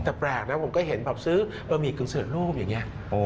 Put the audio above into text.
แต่แปลกนะผมก็เห็นซื้อปะหมี่กังเสือรูปอย่างนี้